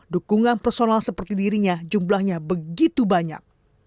dukungan personal seperti dirinya jumlahnya begitu banyak